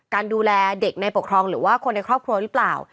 การดูแลเด็กในปกครองหรือว่าคนในครอบครัวหรือเปล่า